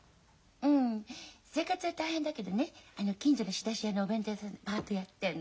うん生活は大変だけどね近所の仕出し屋のお弁当屋さんでパートやってんの。